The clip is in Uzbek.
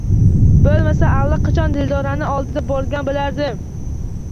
Boʻlmasa allaqachon Dildoraning oldiga borgan boʻlardim…